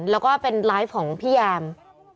แล้วก็เป็นไลฟ์ของพี่แยม